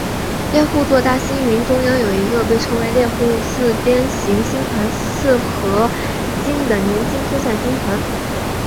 猎户座大星云中央有一个被称为猎户四边形星团四合星的年轻疏散星团。